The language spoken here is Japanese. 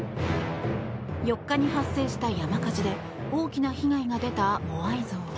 ４日に発生した山火事で大きな被害が出たモアイ像。